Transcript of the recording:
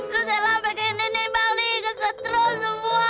terus ella pakein nenek balik setro semua